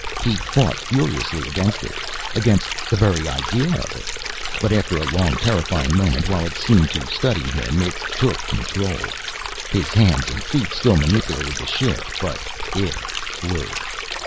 He fought furiously against it against the very idea of it. But, after a long, terrifying moment while it seemed to study him, it took control. His hands and feet still manipulated the ship, but it flew!